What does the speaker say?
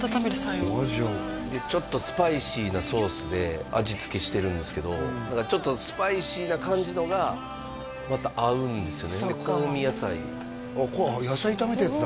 ホアジャオちょっとスパイシーなソースで味付けしてるんですけどだからちょっとスパイシーな感じのがまた合うんですよねで香味野菜野菜炒めたやつだ